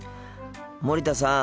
森田さん。